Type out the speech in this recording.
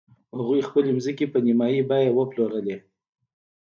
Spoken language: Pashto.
هغوی خپلې ځمکې په نیمايي بیه وپلورلې.